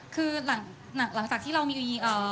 คือหลังจากที่เรามี